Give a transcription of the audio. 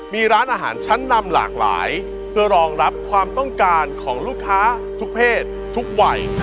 มีร้านอาหารชั้นนำหลากหลายเพื่อรองรับความต้องการของลูกค้าทุกเพศทุกวัย